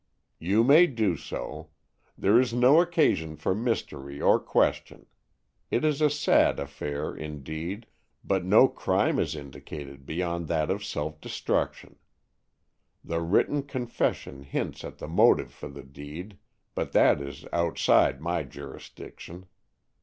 "You may do so. There is no occasion for mystery or question. It is a sad affair, indeed, but no crime is indicated beyond that of self destruction. The written confession hints at the motive for the deed, but that is outside my jurisdiction.